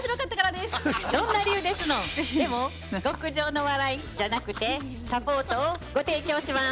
でも極上の笑いじゃなくてサポートをご提供します。